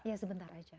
ya sebentar saja